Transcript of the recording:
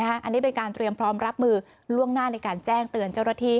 อันนี้เป็นการเตรียมพร้อมรับมือล่วงหน้าในการแจ้งเตือนเจ้าหน้าที่